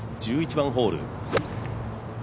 １１番ホール。